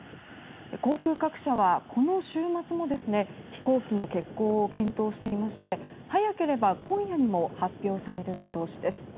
航空各社はこの週末の飛行機の欠航を検討していまして早ければ今夜にも発表される見通しです。